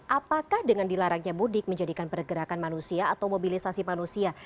apakah dengan dilarangnya mudik menjadikan pergerakan manusia atau mobilisasi manusia